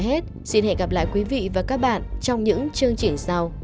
để tiếp tục điều tra mở rộng theo thẩm quyền